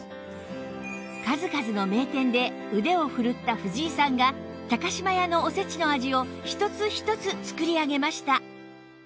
数々の名店で腕を振るった藤井さんが島屋のおせちの味を一つ一つ作り上げました